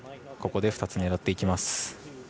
ここで２つ狙っていきます。